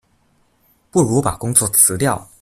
不如把工作辞掉